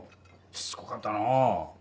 しつこかったのう！